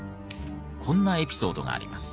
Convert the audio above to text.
こんなエピソードがあります。